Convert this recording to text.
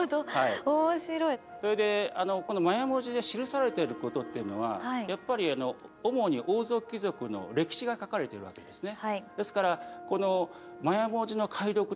それでこのマヤ文字で記されてることっていうのはやっぱり主に王族貴族の歴史が書かれてるわけですね。